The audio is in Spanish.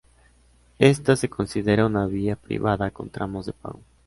Ésta se considera una vía privada con tramos de pago.